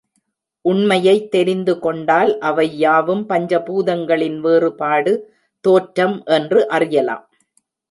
உண்மையைத் தெரிந்து கொண்டால் அவையாவும் பஞ்ச பூதங்களின் வேறுபாடு, தோற்றம் என்று அறியலாம்.